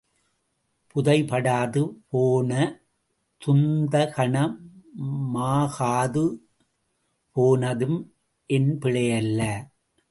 புதைபடாது போன துந் தகன மாகாது போனதும் என் பிழையல்ல.